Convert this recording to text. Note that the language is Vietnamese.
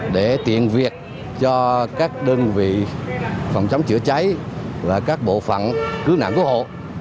để tiện việc cho các đơn vị phòng cháy chứa cháy và các bộ phận cứu nạn cứu hộ